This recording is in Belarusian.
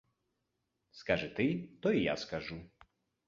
Скажы ты, то і я скажу!